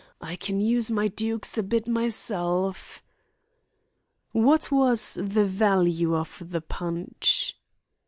I can use my dukes a bit myself." "What was the value of the punch?"